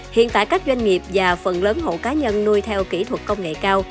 hiện tại các doanh nghiệp và phần lớn hộ cá nhân nuôi theo kỹ thuật công nghệ cao